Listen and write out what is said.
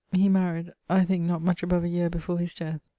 he maried (I think not much above a yeare before his death).